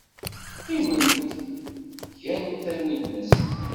Qqiment, gant tawinest.